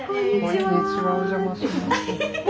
こんにちはお邪魔します。